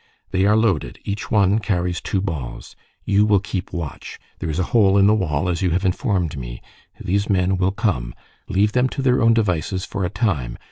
They are loaded. Each one carries two balls. You will keep watch; there is a hole in the wall, as you have informed me. These men will come. Leave them to their own devices for a time.